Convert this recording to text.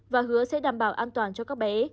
và hứa sẽ đảm bảo an toàn cho các bé